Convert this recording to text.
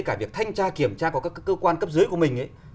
cả việc thanh tra kiểm tra của các cơ quan cấp dưới của mình ấy